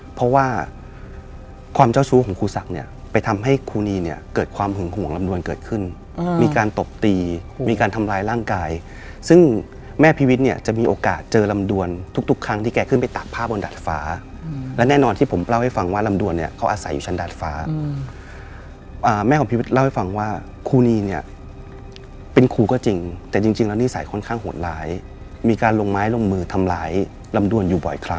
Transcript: เพราะว่าความเจ้าชู้ของครูสักเนี่ยไปทำให้ครูนีเนี่ยเกิดความหึงห่วงลำดวนเกิดขึ้นมีการตบตีมีการทำลายร่างกายซึ่งแม่พิวิตเนี่ยจะมีโอกาสเจอลำดวนทุกครั้งที่แกขึ้นไปตากผ้าบนดาดฟ้าและแน่นอนที่ผมเล่าให้ฟังว่าลำดวนเนี่ยเขาอาศัยอยู่ชั้นดาดฟ้าแม่ของพิวิตเล่าให้ฟังว่าคร